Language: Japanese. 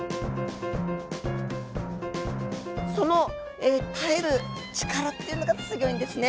その耐える力っていうのがすギョいんですね。